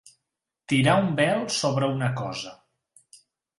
Tirar un vel sobre una cosa.